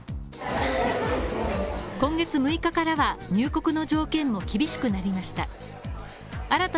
今月６日からは、入国の条件も厳しくなりました